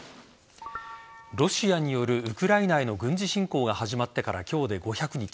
ロシアによるウクライナへの軍事侵攻が始まってから今日で５００日。